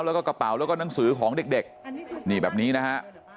แล้วก็กระเป๋าแล้วก็หนังสือของเด็กนี่แบบนี้นะฮะ